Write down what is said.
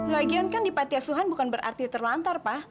lagian kan di patiasuhan bukan berarti terlantar pak